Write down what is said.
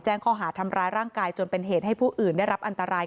ข้อหาทำร้ายร่างกายจนเป็นเหตุให้ผู้อื่นได้รับอันตราย